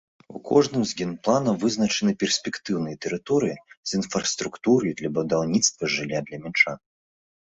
У кожным з генпланам вызначаны перспектыўныя тэрыторыі з інфраструктурай для будаўніцтва жылля для мінчан.